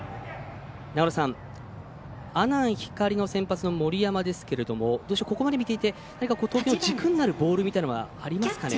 阿南光の先発の森山ですがここまで見ていて軸になるボールみたいなものはありますかね？